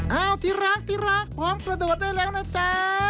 เอ้าที่รักพร้อมประโดดได้แล้วนะจ๊ะ